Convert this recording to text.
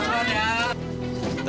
pelan pelan pelan pelan ya